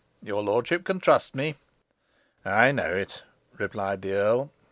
Your lordship can trust me." "I know it," replied the earl.